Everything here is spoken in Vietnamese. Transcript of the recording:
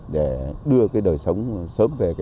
để đưa đời sống sớm về nhà cửa